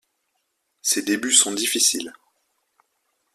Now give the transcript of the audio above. Ses débuts sont difficiles.